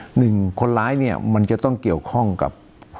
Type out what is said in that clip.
หนึ่งคนร้ายเนี่ยมันจะต้องเกี่ยวข้องกับ